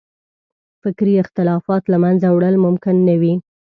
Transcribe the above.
فکري اختلافات له منځه وړل ممکن نه وي.